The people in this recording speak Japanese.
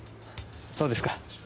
そうですか。